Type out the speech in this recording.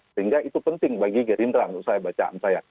sehingga itu penting bagi gerindra menurut saya bacaan saya